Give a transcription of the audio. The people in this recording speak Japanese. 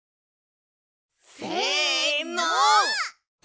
せの！